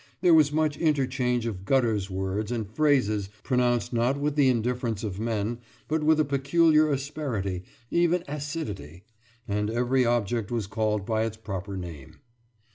There was much interchange of gutterswords and phrases, pronounced not with the indifference of men, but with a peculiar asperity, even acidity; and every object was called by its proper name.